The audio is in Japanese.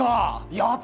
やったな！